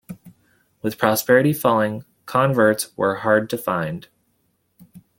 With prosperity falling, converts were hard to find.